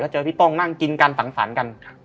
ก็เจอพี่โต่งนั่งกินกันสั่งสรรกัน